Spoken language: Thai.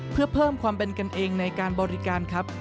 เพื่อเพิ่มความเป็นกันเองในการบริการครับ